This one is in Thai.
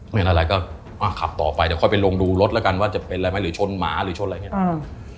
เห็นอะไรก็อ่ะขับต่อไปเดี๋ยวค่อยไปลงดูรถแล้วกันว่าจะเป็นอะไรไหมหรือชนหมาหรือชนอะไรอย่างนี้